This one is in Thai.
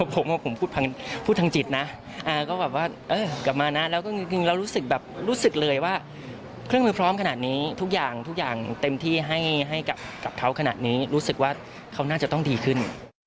ผมว่าผมพูดทางจิตนะก็แบบว่ากลับมานะแล้วก็จริงแล้วรู้สึกแบบรู้สึกเลยว่าเครื่องมือพร้อมขนาดนี้ทุกอย่างทุกอย่างเต็มที่ให้กับเขาขนาดนี้รู้สึกว่าเขาน่าจะต้องดีขึ้น